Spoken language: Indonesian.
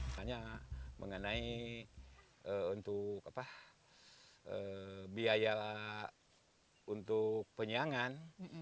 makanya mengenai untuk apa biaya untuk penyiangan